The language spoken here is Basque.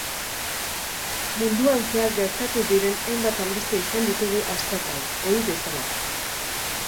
Munduan zehar gertatu diren hainbat albiste izan ditugu aztergai, ohi bezala.